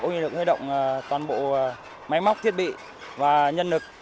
để được hơi động toàn bộ máy móc thiết bị và nhân lực